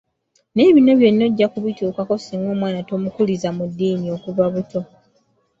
Naye bino byonna ojja kubituukako singa omwana tomukuliza mu ddiini okuva obuto.